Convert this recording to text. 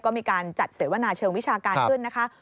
ก็มีการจัดเสวนาเชิงวิชาการขึ้นนะคะ